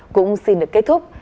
cũng xin được kết thúc